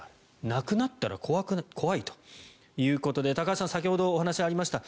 なくなったら怖いということで高橋さん、先ほどお話ありました